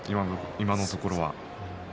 今のところ。